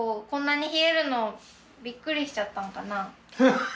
こんなに冷えるのびっくりしちゃったんかな？